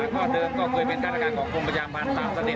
ก็เดินก็คือเป็นข้าระการของกรมพยาบาลสามสะเด็น